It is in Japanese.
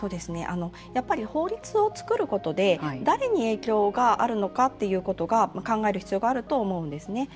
やっぱり法律を作ることで誰に影響があるのかということが考える必要があると思うんですね。